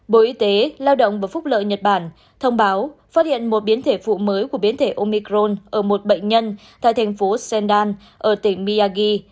bộ y tế lao động và phúc lợi nhật bản thông báo phát hiện một biến thể phụ mới của biến thể omicron ở một bệnh nhân tại thành phố sendan ở tỉnh miyagi